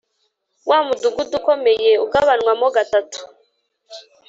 Wa mudugudu ukomeye ugabanywamo gatatu